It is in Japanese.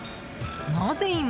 なぜ今？